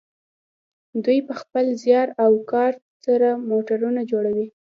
دوی په خپل زیار او کار سره موټرونه جوړوي.